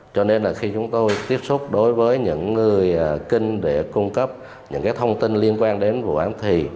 cho nên là khi chúng tôi tiếp xúc đối với những người kinh để cung cấp những thông tin liên quan đến vụ án thì